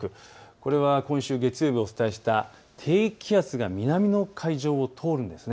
これは今週月曜日にお伝えした低気圧が南の海上を通るんです。